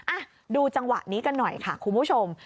อ่ะดูจังหวะนี้กันหน่อยค่ะคุณผู้ชม